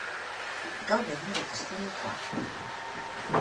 Gaur egin du estreinekoa.